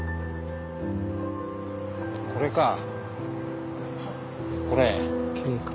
これかこれ。